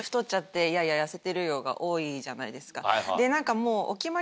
じゃないですか。